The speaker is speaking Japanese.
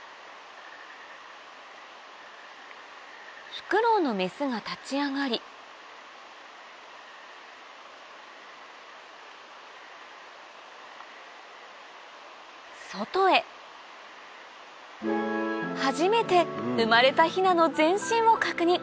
フクロウのメスが立ち上がり外へ初めて生まれたヒナの全身を確認！